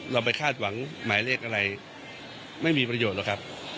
เราไปคาดหวังหมายเลขอะไรไม่มีประโยชน์หรอกครับ